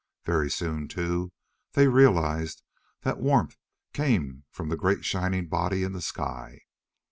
Very soon, too, they realized that warmth came from the great shining body in the sky.